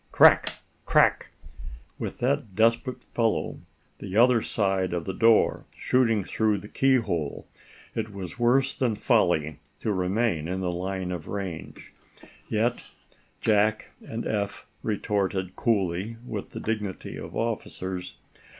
Crack! Crack! With that desperate fellow the other side of the door, shooting through the key hole, it was worse than folly to remain in line of range. Yet Jack and Eph retorted coolly, with the dignity of officers.